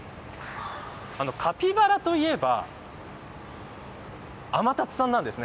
カピバラといえば天達さんなんですね。